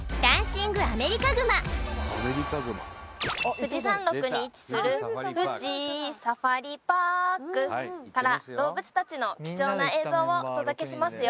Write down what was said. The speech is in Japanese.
富士山麓に位置する富士サファリパークから動物達の貴重な映像をお届けしますよ